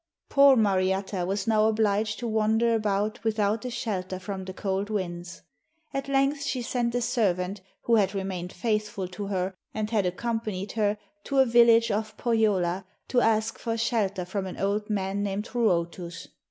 Poor Mariatta was now obliged to wander about without a shelter from the cold winds. At length she sent a servant, who had remained faithful to her and had accompanied her, to a village of Pohjola to ask for shelter from an old man named Ruotus.